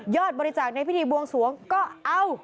บริจาคในพิธีบวงสวงก็เอา